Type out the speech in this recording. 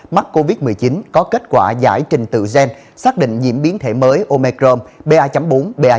mắc covid một mươi chín có kết quả giải trình tự gen xác định nhiễm biến thể mới omecrom ba bốn ba